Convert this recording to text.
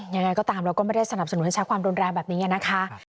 ยังไงก็ตามเราก็ไม่ได้สนับสนุนให้ใช้ความรุนแรงแบบนี้นะคะ